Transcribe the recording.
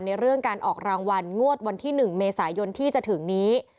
เรื่องการออกรางวัลงวดวันที่๑เมษายนที่จะถึงนี้